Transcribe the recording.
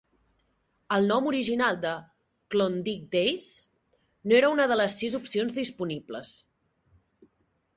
El nom original de "Klondike Days" no era una de les sis opcions disponibles.